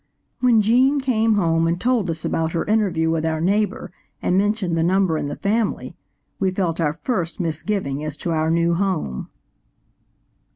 When Gene came home and told us about her interview with our neighbor and mentioned the number in the family, we felt our first misgiving as to our new home.